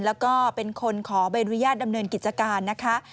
และก็เป็นคนขอบริยาตรดำเนินกิจการนะคะ